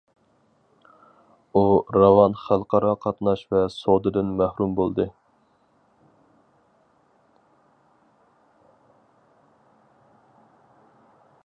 ئۇ راۋان خەلقئارا قاتناش ۋە سودىدىن مەھرۇم بولدى.